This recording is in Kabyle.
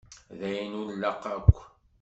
D ayen ur nlaq akk.